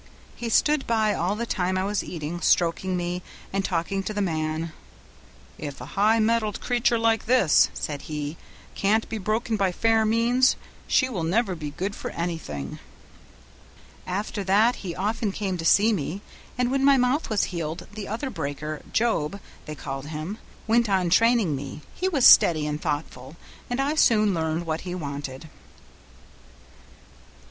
He stood by all the time I was eating, stroking me and talking to the man. 'If a high mettled creature like this,' said he, 'can't be broken by fair means, she will never be good for anything.' "After that he often came to see me, and when my mouth was healed the other breaker, Job, they called him, went on training me; he was steady and thoughtful, and I soon learned what he wanted."